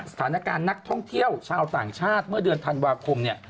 สถานการณ์นักท่องเที่ยวชาวต่างชาติเมื่อเดือนธันวาคม